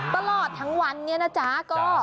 ตลอดทั้งวันนี้นะจ๊ะก็